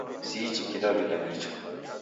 Siichi kidawida nicha